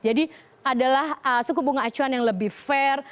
jadi adalah suku bunga acuan yang lebih fair